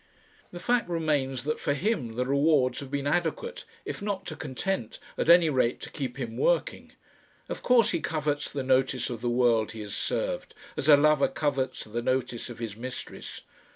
The fact remains that for him the rewards have been adequate, if not to content at any rate to keep him working. Of course he covets the notice of the world he has served, as a lover covets the notice of his mistress.